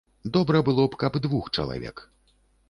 Добра было б, каб двух чалавек.